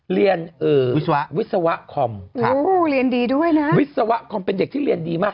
เรียนวิศวะคอมวิศวะคอมเป็นเด็กที่เรียนดีมาก